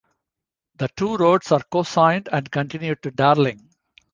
The two roads are co-signed and continue to Darling.